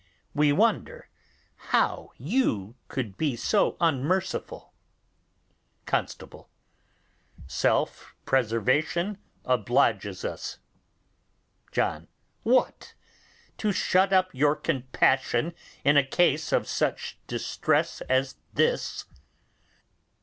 We wonder how you could be so unmerciful! Constable. Self preservation obliges us. John. What! To shut up your compassion in a case of such distress as this?